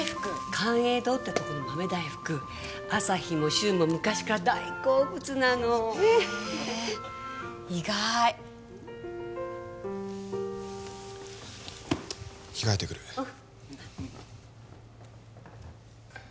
寛永堂ってとこの豆大福旭も柊も昔から大好物なのへえ意外着替えてくるうん